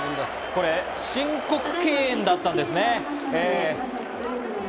これ、申告敬遠だったんですね。